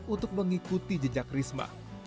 untuk mengikuti jejak risma